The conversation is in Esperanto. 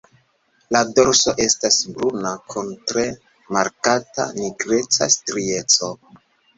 La dorso estas bruna kun tre markata nigreca strieco.